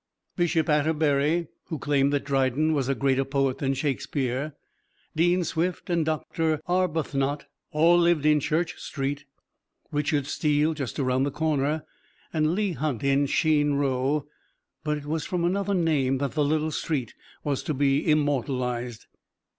Bishop Atterbury (who claimed that Dryden was a greater poet than Shakespeare), Dean Swift and Doctor Arbuthnot, all lived in Church Street; Richard Steele just around the corner and Leigh Hunt in Cheyne Row; but it was from another name that the little street was to be immortalized.